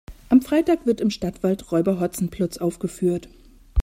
Am Freitag wird im Stadtwald Räuber Hotzenplotz aufgeführt.